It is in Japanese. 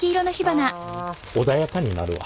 穏やかになるわ。